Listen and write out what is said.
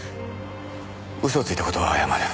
嘘をついた事は謝る。